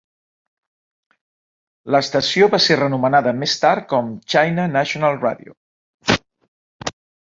L'estació va ser renomenada més tard com China National Radio.